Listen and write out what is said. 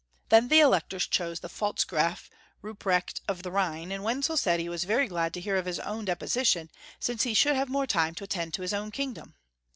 Then the Electors chose the Efalzgraf Ruprecht of the Rliine, and Wenzel said he was very glad to hear of his own deposition, since he should have more time to attend to liis own kingdom.